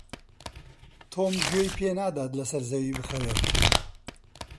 تۆم گوێی پێ نادات لەسەر زەوی بخەوێت.